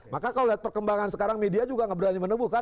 maka kalau lihat perkembangan sekarang media juga enggak berani menubuhkan